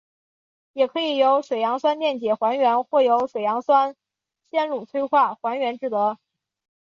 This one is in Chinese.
也可以由水杨酸电解还原或由水杨酰卤催化还原制得。